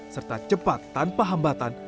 serta cepat tanpa hambatan